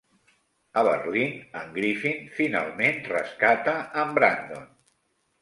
A Berlín, en Griffin finalment rescata en Brandon.